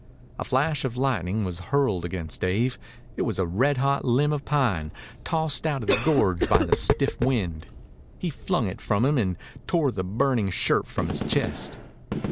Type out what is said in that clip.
A flash of lightning was hurled against Dave. It was a red hot limb of a pine, tossed out of the gorge by the stiff wind. He flung it from him and tore the burning shirt from his chest.